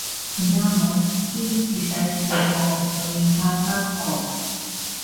Enamored, he decides to go join Arthur's court.